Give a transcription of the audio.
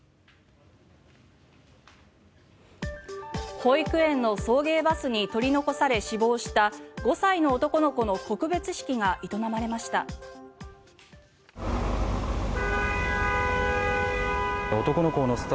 保育園の送迎バスに取り残され、死亡した５歳の男の子の告別式が営まれました。